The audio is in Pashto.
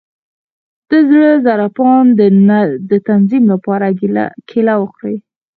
د زړه د ضربان د تنظیم لپاره کیله وخورئ